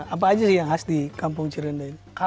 apa saja yang khas di kampung cirinde